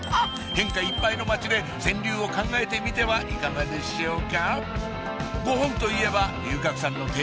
変化いっぱいの街で川柳を考えてみてはいかがでしょうか？